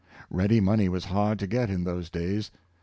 Ready money was hard to get in those days.